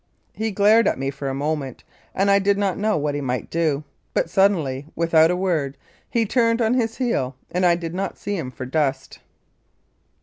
He glared at me for a moment, and I did not know what he might do, but suddenly, without a word, he turned on his heel, and I did not see him for dust.